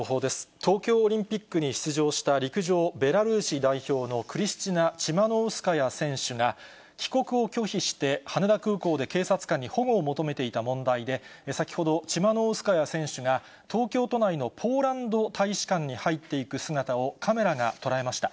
東京オリンピックに出場した陸上、ベラルーシ代表のクリスチナ・チマノウスカヤ選手が、帰国を拒否して、羽田空港で警察官に保護を求めていた問題で、先ほど、チマノウスカヤ選手が東京都内のポーランド大使館に入っていく姿を、カメラが捉えました。